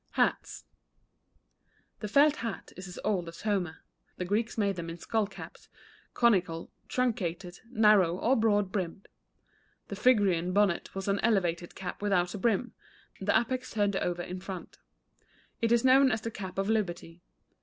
=Hats.= The felt hat is as old as Homer. The Greeks made them in skull caps, conical, truncated, narrow, or broad brimmed. The Phrygian bonnet was an elevated cap without a brim, the apex turned over in front. It is known as the cap of Liberty.